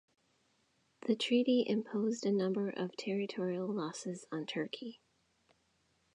The treaty imposed a number of territorial losses on Turkey.